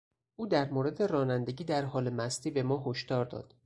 او در مورد رانندگی در حال مستی به ما هشدار داد.